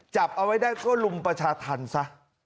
จับเอาไว้ได้ก็ลุมประชาธรรมซะ